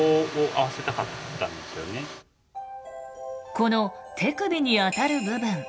この手首にあたる部分。